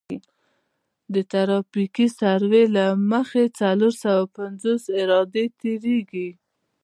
د ترافیکي سروې له مخې څلور سوه پنځوس عرادې تیریږي